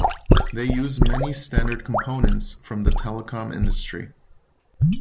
They use many standard components from the telecom industry.